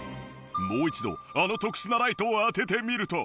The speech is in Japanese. もう一度あの特殊なライトを当ててみると。